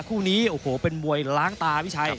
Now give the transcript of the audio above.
คู่นี้โอ้โหเป็นมวยล้างตาพี่ชัย